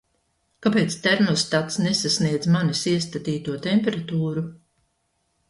Kāpēc termostats nesasniedz manis iestatīto temperatūru?